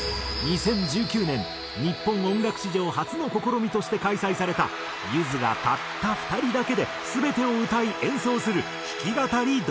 ２０１９年日本音楽史上初の試みとして開催されたゆずがたった２人だけで全てを歌い演奏する弾き語り